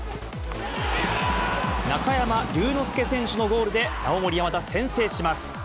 中山竜之介選手のゴールで、青森山田、先制します。